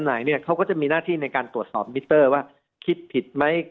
ไหนเนี่ยเขาก็จะมีหน้าที่ในการตรวจสอบมิเตอร์ว่าคิดผิดไหม